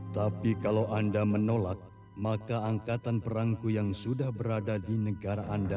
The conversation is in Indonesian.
tapi kalau anda menolak maka angkatan perangku yang sudah berada di negara anda